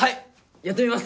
やってみます！